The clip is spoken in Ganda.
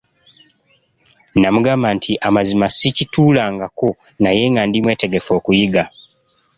Namugamba nti amazima sikituulangako naye nga ndi mwetegefu okuyiga.